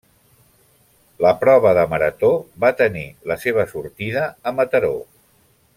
La prova de marató va tenir la seva sortida a Mataró.